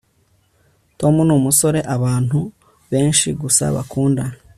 tom numusore abantu benshi gusa badakunda